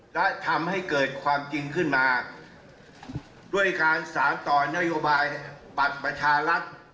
และทำให้เกิดความจริงขึ้นมาด้วยการสารต่อนโยบายบัตรประชารัฐ